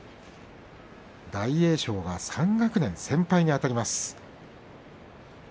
大栄翔が３学年先輩にあたります。